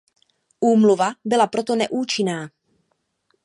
Úmluva byla proto neúčinná.